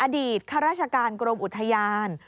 อดีตครรัชการกอุทยาน